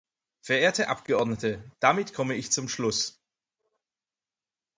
Verehrte Abgeordnete, damit komme ich zum Schluss.